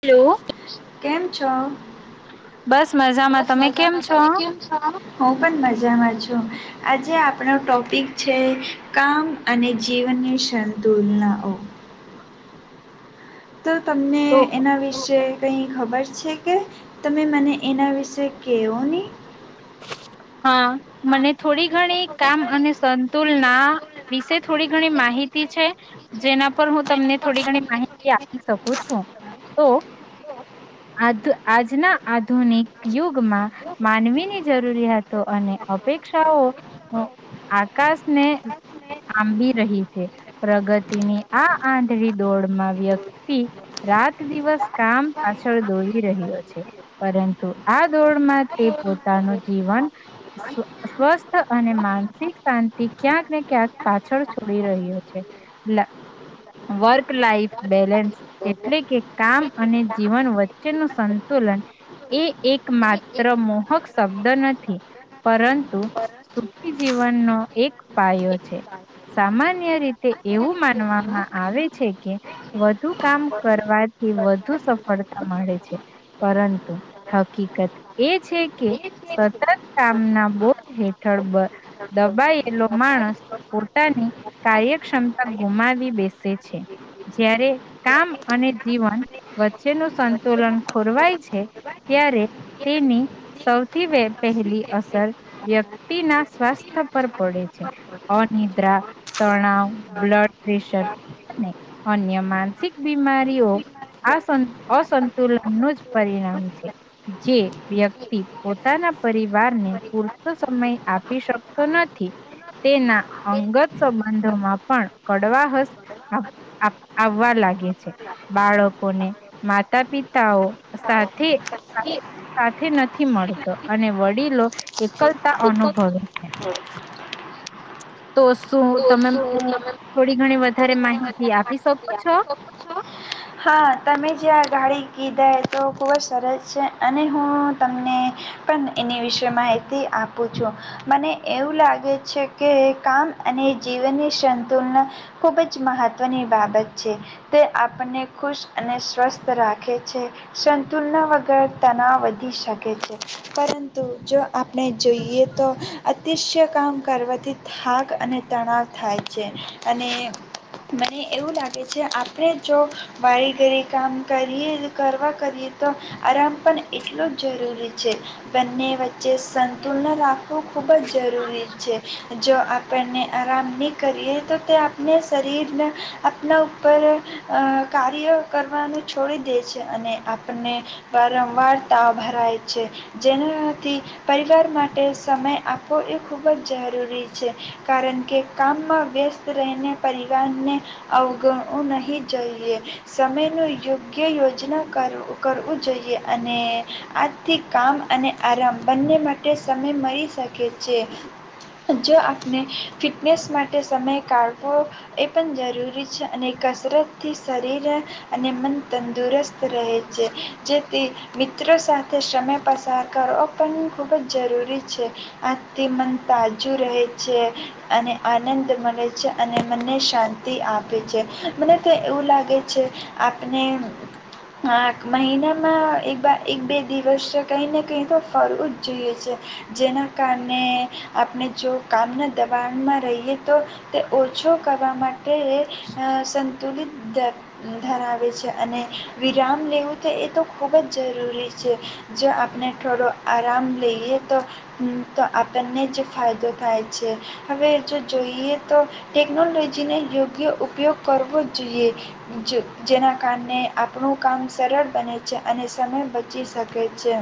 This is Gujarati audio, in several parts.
હલો. ચા બસ તમે કેમ મજામાં, છો? તમે કેમ છો? હું પણ મજામાં છ. આજે આપણો ટોપિક છે કામ અને જીવનની સ તુલનાઓ. તો તમને તો એના વિશે કઈ ખબર છે કે તમે મને એના વિશે કહેવો નહીં. [inaudible] હા મને થોડી ઘણી કામ અને સંતુલના વિશે થોડી ઘણી માહિતી છે જેના પર હું તમને થોડી ઘણી માહિતી આપી શકું છું તો આ આજના આધુનિક યુગમાં માનવીની જરૂરિયાતો અને અપેક્ષાઓ આકાશને આંબી રહી છે પ્રગતિની આ આંધળી દોડમાં વ્યક્તિ રાત દિવસ કામ પાછળ દોડી રહ્યો છે પરંતુ આ દોડ તે પોતાનું જીવન સ્વસ્થ અને માનસિક શાંતિ ક્યાંક ને ક્યાંક પાછળ છોડી રહ્યો છે વર્ક લાઈફ બેલેન્સ એટલે કે કામ અને જીવન વચ્ચે નું સંતુલન એ એક માત્ર મોહક શબ્દ શબ નથી પરંતુ સુખી જીવનનો એક પાયો છે સામાન્ય રીતે એવું માનવામાં આવે છે કે વધુ કામ કરવાથી વધુ સફળતા મળે છે પરંતુ હકીકત એ છે કે સતત કામના બોધ હેઠળ દબાયેલો માણસ પોતાની કાર્યક્ષમતા ગુમાવી બેસે છે જ્યારે કામ અને જીવન વચ્ચેનું સંતુલન ખોરવાય છે ત્યારે તેની પહેલી અસર વ્યક્તિના સ્વાસ્થ્ય પર પડે છે અનિદ્રા તણાવ બ્લડ પ્રેશર અને અન્ય માનસિક બીમારીઓ આ અસંતુલનનું જ પરિણામ છે જે વ્યક્તિ પોતાના પરિવારને પૂરતો સમય આપી શકતો નથી તેના અંગત સંબંધોમાં પણ કડવાહસ આવવા લાગે છે બાળકોને માતા પિતાઓ સાથે સાથે નથી મળતી. અને વડીલો એક કલતા અનુભવ છે. તો શું તમે મને થોડી ઘણી વધારે માહિતી આપી શકો છો. હા તમે જે આ ગાડી કીધા તો ખૂબ જ સરસ છે અને હું તમને પણ એની વિશે માહિતી આપું છું મને એવું લાગે છે કે કામ અને જીવનની સંતુલના ખૂબ જ મહત્ત્વની બાબત છે તે આપણને ખુશ અને સ્વસ્થ રાખે છે સંતુલના વગર તણાવ વધી શકે છે પરંતુ જો આપણે જોઈએ તો અતિશય કામ કરવાથી થાક અને તણાવ થાય છે અને મને એવું લાગે છે આપણે જોગ વાળ ઘરે કામ કરીએ કરવા કરીએ તો આરામ પણ એટલું જ જરૂરી છે બંને વચ્ચે સંતુલન રાખવું ખૂબ જ જરૂરી છે જો આપણને આરામ નહીં કરીએ તો તે આપણે શરીર જેને આપણા ઉપ ઉપર કાર્ય કરવાનું છોડી દે છે અને આપણને વારંવાર તાવ ભરાય છે જેનાથી પરિવાર માટે સમય આપવો એ ખૂબ જ જરૂરી છે કારણ કે કામમાં વ્યસ્ત રહીને પરિવારને અવગણવું નહી. હી જઈએ. સમયનું યોગ્ય યોજના કર કરવું જોઈએ અને આજથી કામ અને આરામ બંને માટે સમય મળી શકે છે જો આપણે ફિટનેસ માટે સમય કાઢવો એ પણ જરૂરી છે અને કસરતથી શરીર અને મન તંદુરસ્ત રહે છે જે તે મિત્રો સાથે સમય પસાર કરવો પણ ખૂબ જ જરૂરી છે આથી મન તાજું રહે છે અને આનંદ મળે છે અને મનને શાંતિ આપે છે મને તે એવું લાગે છે આપણે આ મહિનામાં એક એક બે દિવસ કઈ ને કઈ તો ફરવું જ જોઈએ છે જેના કારણે આપણે જો કામના દબાણમાં રહીએ તો તે ઓછું કરવા માટે તે સંત ધ ધરાવે છે અને વિરામ લેવું તો એ તો ખૂબ જ જરૂરી છે જો આપણે થોડો આરામ લઈએ તો તો આપણને જ ફાયદો થાય છે. હવે જો જોઈએ તો ટેકનોલોજી જેને યોગ્ય ઉપયોગ કરવો. જોઈએ જેના કારણે આપણું કામ સરળ બને છે અને સમય બચી શકે છે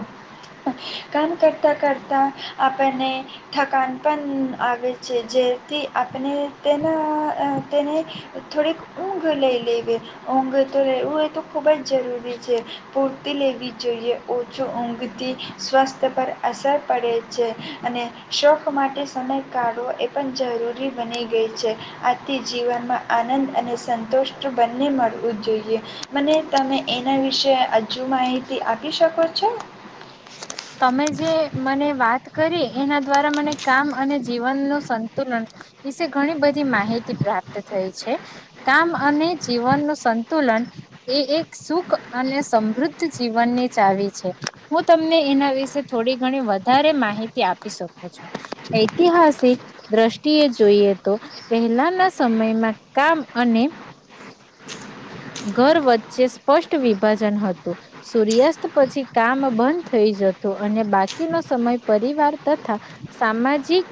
કામ કરતાં કરતાં આપણને થકાન પણ આવે છે જેથી આપણે તેના તેને થોડીક ઊંઘ લય લેવી ઊંઘ તો રહેવું એ તો ખૂબ જ જરૂરી છે પૂર્તિ લેવી જ જોઈએ ઓછો ઊંઘથી સ્વસ્થ પર અસર પડે છે અને શોખ માટે સમય કાઢવો એ પણ જરૂરી બની ગઈ છે આથી જીવનમાં આનંદ અને સંતુષ્ટ બંને મળવું જોઈએ મને તમે એના વિ વિશે હજુ માહિતી આપી શકો છો. તમે જે મને વાત કરી એના દ્વારા મને કામ અને જીવન નું સંતુલન વિશે ઘણી બધી માહિતી પ્રાપ્ત થઈ છે કામ અને જીવનનુંું સંતુલન એ એક સુખ અને સમૃદ્ધ જીવનની ચાવી છે હું તમને. એના વિશે થોડી ઘણી વધારે માહિતી આપી શકો છો ઐતિહાસિક દ્રષ્ટિએ જોઈએ તો પહેલાના સમયમાં કામ અને. ઘર વચ્ચે સ્પષ્ટ વિભાજન હતું સૂર્યાસ્ત પછી કામ બંધ થઈ જતું અને બાકીનો સમય પરિવાર તથા સામાજિક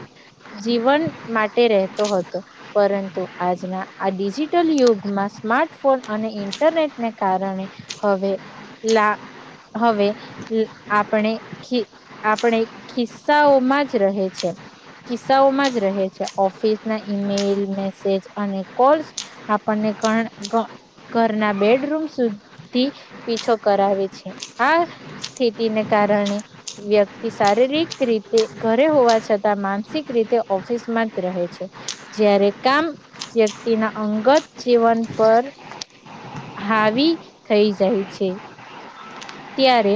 જીવન માટે રહેતો હતો પરંતુ આજના આ ડિજિટલ યુગમાં સ્માર્ટ. ફોન અને ઇન્ટરનેટને કારણે હવે લા હવે આપણે આપણે ખિસ્સાઓમાં જ રહે છે કિસ્સાઓમાં જ રહે છે ઓફિસ ના ઈમેલ મેસેજ અને કોલ્સ આપણને ઘણ. ઘરના બેડરૂમ સુધી પીછો કરાવે છે આ સ્થિતિને કારણે વ્યક્તિ શારીરિક રીતે ઘરે હોવા છતાં માનસિક રીતે ઓફિસમાં જ રહે છે જ્યારે કામ વ્યક્તિના અંગત જીવન. પર હાવી થઈ જાય છે. ત્યારે.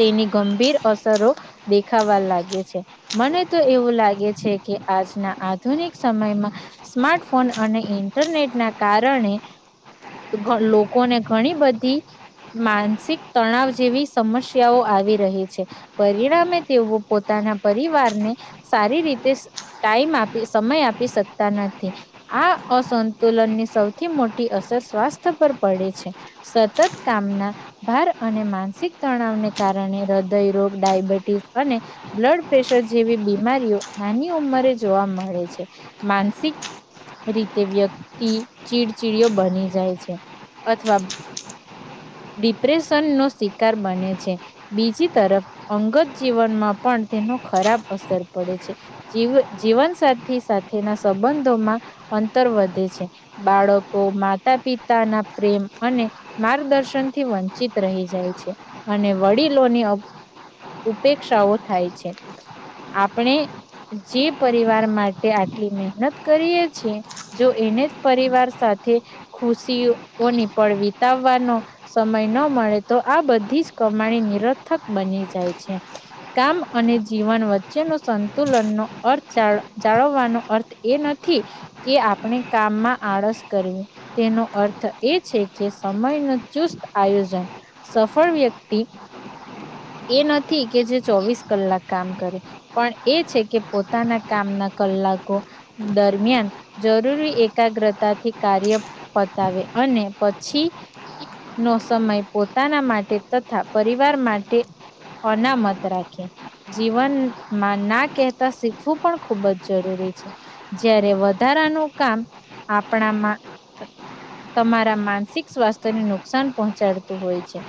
તેની ગંભીર અસરો દેખાવા લાગે છે મને તો એવું લાગે છે કે આજના આધુનિક સમયમાં સ્માર્ટફોન અને ઇન્ટરનેટ ના કારણે લોકોને ઘણી બધી માનસિક તણાવ જેવી. સમસ્યાઓ આવી રહી છે પરિણામે તેઓ પોતાના પરિવારને સારી રીતે ટાઈમ આપી સમય આપી શકતા નથી આ અસંતુલનની સૌથી મોટી અસર સ્વાસ્થ્ય પર પડે છે સતત કામના ભાર અને માનસિક. તણાવને કારણે હૃદયરોોગ ડાયબિટીસ અને બ્લડ પ્રેશર જેવી બીમારીઓ નાની ઉંમરે જોવા મળે છે માનસિક રીતે વ્યક્તિ ચીડચીડીયો બની જાય છે અથવા. ડિપ્રેશન નો શિકાર બને છે બીજી તરફ અંગત જીવનમાં પણ તેનો ખરાબ અસર પડે છે જી જીવનસાથી સાથેના સંબંધોમાં અંતર વધે છે બાળકો માતા પિતાના પ્રેમ અને માર્ગદર્શન. વંચિત રહી જાય છે અને વડીલોની ઉપેક્ષાઓ થાય છે આપણે જે પરિવાર માટે આટલી મહેનત કરીએ છીએ જો એને જ પરિવાર સાથે ખુશીઓની પળ વિતાવવાનો. સમય ન મળે તો આ બધી જ કમાણી નિરથક બની જાય છે કામ અને જીવન વચ્ચેનો સંતુલનનોો અર્થ જાળવવાનો અર્થ એ નથી કે આપણે કામમાં આળસ કરવી તેનો અર્થ એ છે કે સમય. ચુસ્ત આયોજન સફળ વ્યક્તિ એ નથી કે જે ચોવીસ કલાક કામ કરે પણ એ છે કે પોતાના કામના કલાકો દરમિયાન જરૂરી એકાગ્રતાથી કાર્ય પતાવે અને પછી. નો સમય પોતાના માટે તથા પરિવાર માટે અનામત રાખે જીવનમાં ના કહેતા શીખવું પણ ખૂબ જ જરૂરી છે જ્યારે વધારાનું કામ આપણામાં તમારા માનસિક સ્વાસ્થ. નુકસાન પહોંચાડતું હોય છે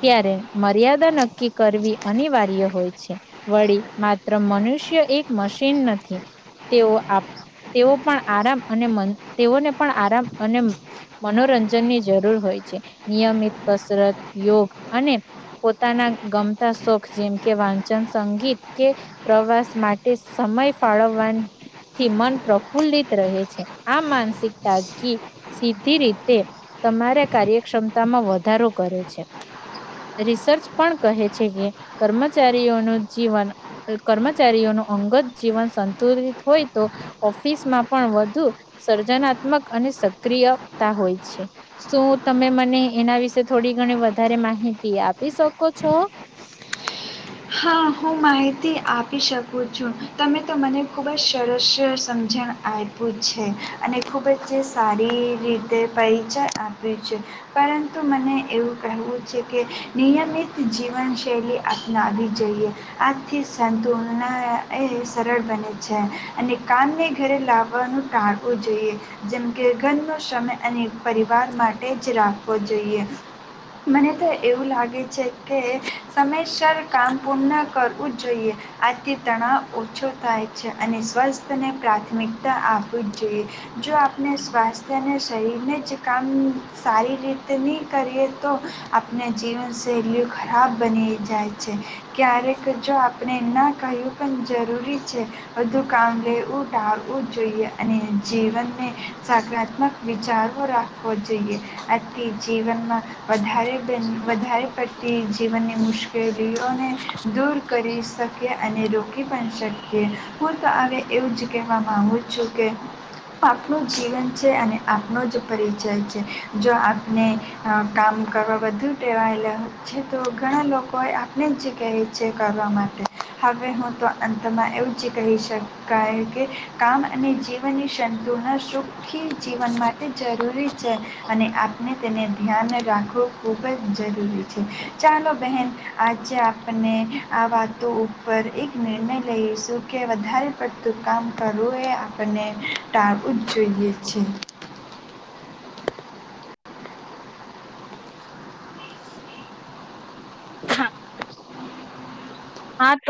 ત્યારે મર્યાદા નક્કી કરવી અનિવાર્ય હોય છે વળી માત્ર મનુષ્ય એક મશીન નથી તેઓ તેઓ પણ આરામ અને તેઓને પણ આરામ અને. મનોરંજનની જરૂર હોય છે નિયમિત કસરત યોગ અને પોતાના ગમતા સુોખ જેમ કે વાંચન સંગીત કે પ્રવાસ માટે સમય ફાળવવાથી મન પ્રફુલ્લિત રહે છે આ માનસિક તાજગી. ી રીતે તમારે કાર્યક્ષમતામાં વધારો કરે છે રિસર્ચ પણ કહે છે કે કર્મચારીઓનું જીવન કર્મચારીઓનું અંગત જીવન સંતુલિત હોય તો ઓફિસમાં પણ વધુ સર્જનાત્મક અને સક્રિય. હોય છે શું તમે મને એના વિશે થોડી ઘણી વધારે માહિતી આપી શકો છો. હા હું માહિતી આપી શકું છું તમે તો મને ખૂબ જ સરસ સમજણ આપ્યું છે અને ખૂબ જ સારી રીતે પરિચય આપ્યો છે પરંતુ મને એવું કહેવું. છે કે નિયમિત. જીવનશૈલી આપ. વી જોઈએ આથી સંતુલના એ સરળ બને છે અને કામને ઘરે લાવવાનું ટાળવું જોઈએ જેમ કે ઘરનો સમય અને પરિવાર માટે જ રાખવો જોઈએ મને તો એવું લાગે છે કે. સમમેર. કામ પૂર્ણ કરવું જ જોઈએ આથી તણાવ ઓછો થાય છે અને સ્વસ્થને પ્રાથમિકતા આપવી જ જોઈએ જો આપણે સ્વાસ્થ્ય અને શરીરને જ કામ સારી રીતે નહીં કરીએ તો આપણે જીવનશૈલીઓ ખરાબ બની જાય છે. છે. ક્યારેક જો આપ. આપણે ન કહ્યું પણ જરૂરી છે બધું કામ લેવું ટળવું જોઈએ અને જીવનને સકારાત્મક વિચારો રાખવો જોઈએ આથી જીવનમાં વધારે બેન વધારે પડતી જીવનની મુશ્કેલી. એઓને દૂર કરી. શકીએ અને રોકી પણ શકીએ હું તો હવે એવું જ કહેવા માગુ છું કે આપણું જીવન છે અને આપનો જ પરિચય છે જો આપણે કામ કરવા બુ ટેવાયેલા હોય છે તો ઘણા લોકો. કોઈ આપણે જ કહે છે કરવા માટે હવે હું તો અંતમાં એવું જ કહી શકાય કે કામ અને જીવનની સંતુના સુખી જીવન માટે જરૂરી છે અને આપણે તેને ધ્યાન રાખવું ખૂબ જ જરૂરી છે ચાલો બહેન. આજે આપણે આ વાતો ઉપર એક નિર્ણય લઈશું કે વધારે પડતું કામ કરવું એ આપને ટાળવું જ જોઈએ છે. હા તો.